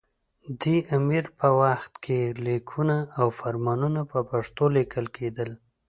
دې امیر په وخت کې لیکونه او فرمانونه په پښتو لیکل کېدل.